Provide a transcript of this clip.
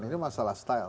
ini masalah style